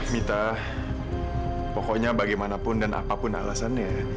mita pokoknya bagaimanapun dan apapun alasannya